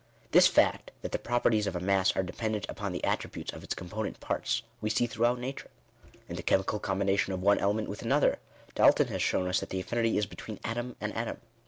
This fact, that the properties of a mass are dependent upon the attributes of its component parts, we see throughout nature. In tha chemical combination of one element with another, Dalton has shown us that the affinity is between atom and atom.